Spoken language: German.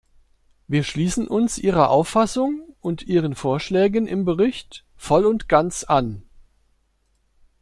Wir schließen uns ihrer Auffassung und ihren Vorschlägen im Bericht voll und ganz an.